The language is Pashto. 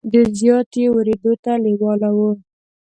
ډېر زیات یې ورېدو ته لېواله وو.